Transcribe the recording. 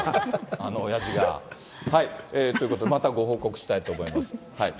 あのおやじが。ということで、またご報告したいと思います。